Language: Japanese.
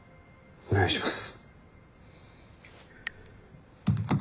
お願いします。